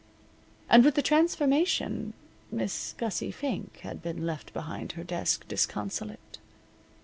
And with the transformation Miss Gussie Fink had been left behind her desk disconsolate.